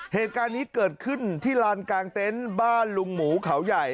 เหตุการณ์นี้เกิดขึ้นที่ลานกลางเต็นต์บ้านลุงหมูเขาใหญ่